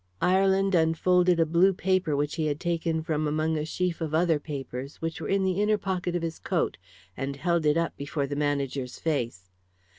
Ireland unfolded a blue paper which he had taken from among a sheaf of other papers, which were in the inner pocket of his coat, and held it up before the manager's face.